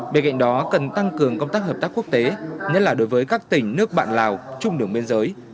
bên cạnh đó cần tăng cường công tác hợp tác quốc tế nhất là đối với các tỉnh nước bạn lào trung đường biên giới